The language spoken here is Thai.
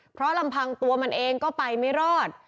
เพราะลำพังตัวมันเองก็ไปไม่รอด